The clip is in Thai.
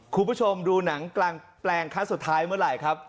คุณผู้ชมดูหนังกลางแปลงครั้งสุดท้ายเมื่อไหร่ครับ